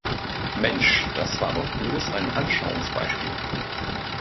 Mensch, das war doch bloß ein Anschauungsbeispiel!